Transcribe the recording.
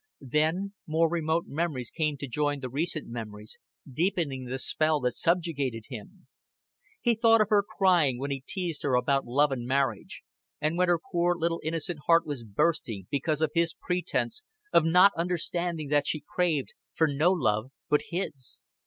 Then more remote memories came to join the recent memories, deepening the spell that subjugated him. He thought of her crying when he teased her about love and marriage, and when her poor little innocent heart was bursting because of his pretense of not understanding that she craved for no love but his.